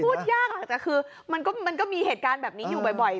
พูดยากหลังจากคือมันก็มีเหตุการณ์แบบนี้อยู่บ่อย